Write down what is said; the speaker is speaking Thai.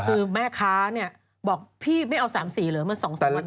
คือแม่ค้าเนี่ยบอกพี่ไม่เอา๓๔เหรอมัน๒๒วันก่อน